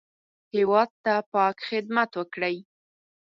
هېواد ته پاک خدمت وکړئ